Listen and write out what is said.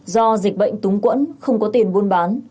do dịch bệnh túng quẫn không có tiền buôn bán